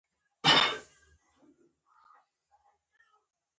عطرونه د فیشن برخه ده.